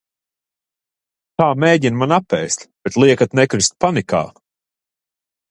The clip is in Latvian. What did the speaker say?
Tā mēģina mani apēst, bet liekat nekrist panikā!